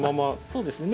そうですね。